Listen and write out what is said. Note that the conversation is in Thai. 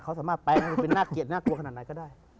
เขาสามารถแปลให้มันเป็นน่าเกลียดน่ากลัวขนาดไหนก็ได้